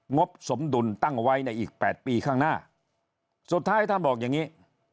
บสมดุลตั้งไว้ในอีก๘ปีข้างหน้าสุดท้ายท่านบอกอย่างนี้